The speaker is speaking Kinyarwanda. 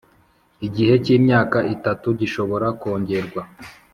igihe cy imyaka itatu gishobora kongerwa